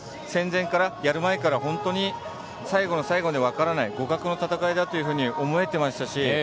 戦前から、やる前から本当に最後の最後まで分からない互角の戦いだと思えてましたし